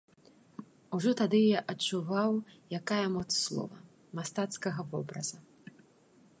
Ужо тады я адчуваў, якая моц слова, мастацкага вобраза.